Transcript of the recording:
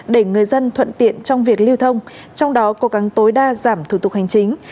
để người dân thuận tiện trong việc lưu thông trong đó cố gắng tối đa giảm thủ tục hành chính